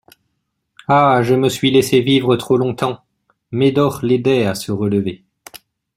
Ah ! je me suis laissé vivre trop longtemps ! Médor l'aidait à se relever.